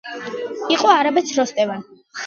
იყო არაბეთს როსტევან...